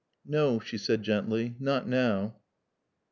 "No," she said gently. "Not now."